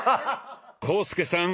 浩介さん